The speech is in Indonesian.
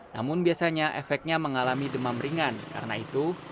namun biasanya efeknya mengalami demam ringan karena itu